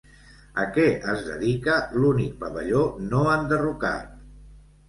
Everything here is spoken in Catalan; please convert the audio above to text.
A què es dedica l'únic pavelló no enderrocat?